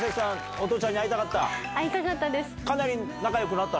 お父ちゃんに会いたかった？